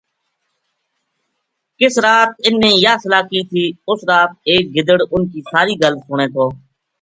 کِس رات اِنھ نے یاہ صلاح کی تھی اُس رات ایک گدڑ اِنھ کی ساری گل سُنے تھو